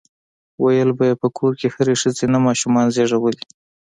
ويل به يې په کور کې هرې ښځې نهه ماشومان زيږولي.